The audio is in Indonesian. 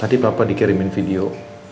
tadi bapak dikirimin video